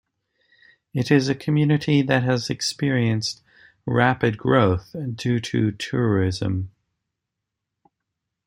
It is a community that has experienced rapid growth due to tourism.